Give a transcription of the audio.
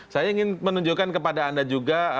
saya ingin menunjukkan kepada anda juga